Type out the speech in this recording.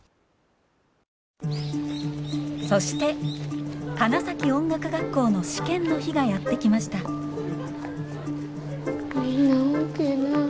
そして花咲音楽学校の試験の日がやって来ましたみんな大けぇな。